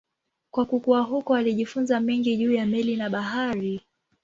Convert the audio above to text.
Kwa kukua huko alijifunza mengi juu ya meli na bahari.